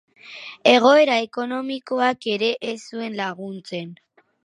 Egoera ekonomikoak ere ez zuen laguntzen.